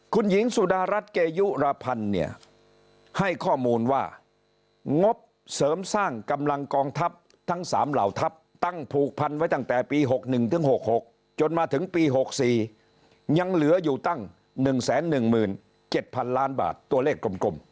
คุณหญิงสุดารัฐเกยุรพันธ์เนี่ยให้ข้อมูลว่างบเสริมสร้างกำลังกองทัพทั้ง๓เหล่าทัพตั้งผูกพันไว้ตั้งแต่ปี๖๑ถึง๖๖จนมาถึงปี๖๔ยังเหลืออยู่ตั้ง๑๑๗๐๐ล้านบาทตัวเลขกลม